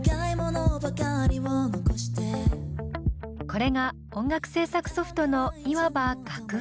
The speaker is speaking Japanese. これが音楽制作ソフトのいわば楽譜。